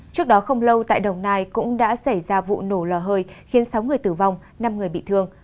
trước đó không lâu tại đồng nai cũng đã xảy ra vụ nổ lò hơi khiến sáu người tử vong năm người bị thương